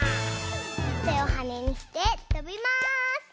てをはねにしてとびまーす。